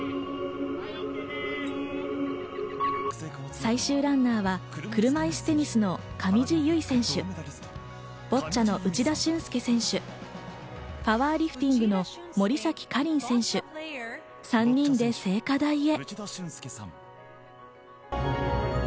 最終ランナーは車いすテニスの上地結衣選手、ボッチャの内田峻介選手、パワーリフティングの森崎可林選手、３人で聖火台へ。